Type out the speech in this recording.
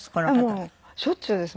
もうしょっちゅうです。